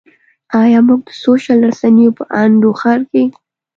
ایا موږ د سوشل رسنیو په انډوخر کې.